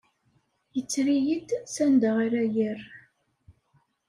Yetter-iyi-d sanda ara yerr.